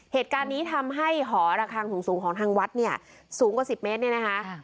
เหตุการณ์นี้ทำให้หอระคังสูงของทางวัดเนี่ยสูงกว่า๑๐เมตรเนี่ยนะคะ